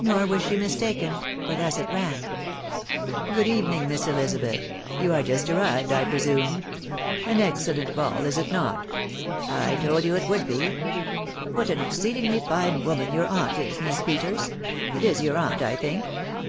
Nor was she mistaken, for thus it tan :— "<Good evening, Miss Elizabeth. •*.. Youi*re ju«t arrived, 1 presume. .». An excellent hall, is it not ?•«..! told you it would be. ... What an exceedingly fine woman your aunt is, Miss Peters !.... It is your aunt, I think